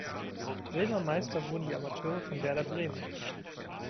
Bremer Meister wurden die Amateure von Werder Bremen.